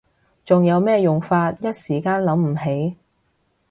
仲有咩用法？一時間諗唔起